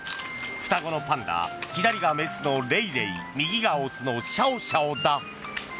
双子のパンダ、左が雌のレイレイ右が雄のシャオシャオだ。